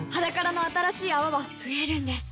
「ｈａｄａｋａｒａ」の新しい泡は増えるんです